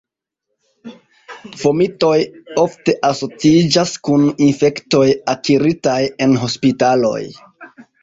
Fomitoj ofte asociiĝas kun infektoj akiritaj en hospitaloj.